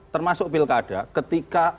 termasuk pilkada ketika